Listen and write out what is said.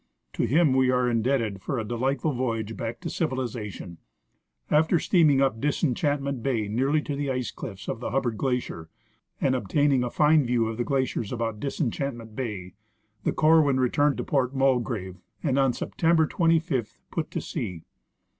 To him we are indebted for a delightful voyage back to civilization. After steaming up Disenchantment bay nearly to the ice cliffs of the Hubbard glacier, and obtaining a fine view of the glaciers about Disenchantment bay, the Corwin returned to Port Mulgrave and, on September 25, put to sea.